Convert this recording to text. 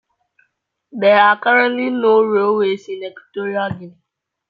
There are currently no railways in Equatorial Guinea.